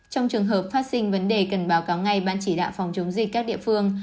trong trường hợp phát sinh vấn đề cần báo cáo ngay ban chỉ đạo phòng chống dịch các địa phương